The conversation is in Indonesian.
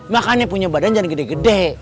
makannya punya badan jangan gede gede